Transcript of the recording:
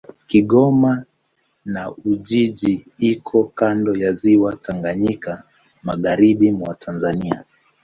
Kigoma na Ujiji iko kando ya Ziwa Tanganyika, magharibi mwa Tanzania.